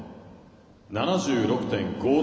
７６・５６。